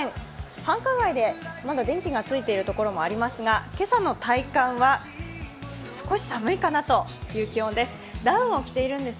繁華街でまだ電気がついているところもありますが、今朝の体感は少し寒いかなという気温です。